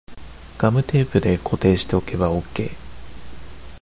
ガムテープで固定しとけばオッケー